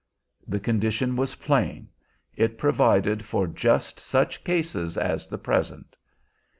The condition was plain; it provided for just such cases as the present.